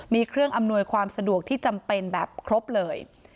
มีเครื่องอำนวยความสะดวกที่จำเป็นแบบครบเลย